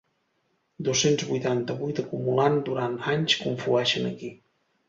Dos-cents vuitanta-vuit acumulant durant anys conflueixen aquí.